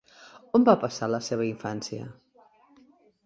On va passar la seva infància?